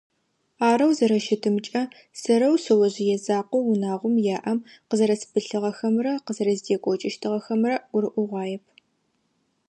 Арэу зэрэщытымкӏэ, сэрэу шъэожъые закъоу унагъом яӏэм къызэрэспылъыгъэхэмрэ къызэрэздекӏокӏыщтыгъэхэмрэ гурыӏогъуаеп.